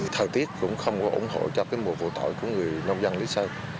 thời tiết cũng không có ủng hộ cho mùa vụ tội của người nông dân lý sơn